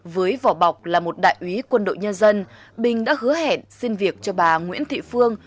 với vỏ bọc là một đại úy quân đội nhân dân bình đã hứa hẹn xin việc cho bà nguyễn thị phương